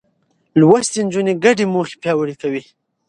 لوستې نجونې ګډې موخې پياوړې کوي.